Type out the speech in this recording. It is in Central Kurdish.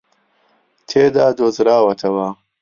تێدا دۆزراوەتەوە